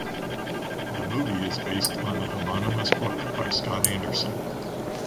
The movie is based on the homonymous book by Scott Anderson.